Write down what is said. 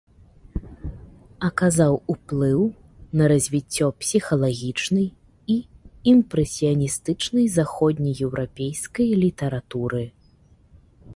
Аказаў ўплыў на развіццё псіхалагічнай і імпрэсіяністычнай заходнееўрапейскай літаратуры.